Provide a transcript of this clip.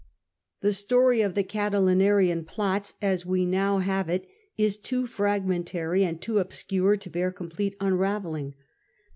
The story of the Catilinarian plots, as we now have it, is too fragmentary and too obscure to bear complete unravelling.